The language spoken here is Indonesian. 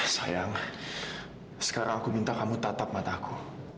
sayang sekarang aku minta kamu tatap mataku